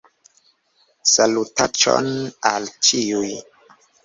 Salutaĉon al ĉiuj